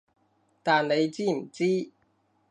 但你知唔知？